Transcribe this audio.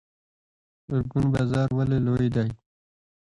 ارګون بازار ولې لوی دی؟